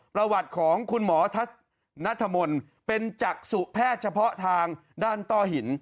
ประวัติของคุณหมอทัศนธมนต์เป็นจักษุแพทย์เฉพาะทางด้านต้อหิน